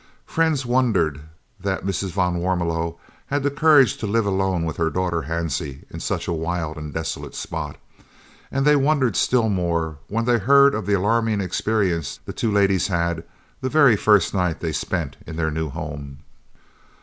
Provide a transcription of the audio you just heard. Friends wondered that Mrs. van Warmelo had the courage to live alone with her daughter Hansie in such a wild and desolate spot, and they wondered still more when they heard of the alarming experience the two ladies had the very first night they spent in their new home.